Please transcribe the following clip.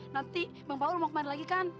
nanti bang paul mau main lagi kan